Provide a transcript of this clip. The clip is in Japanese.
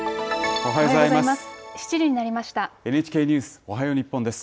おはようございます。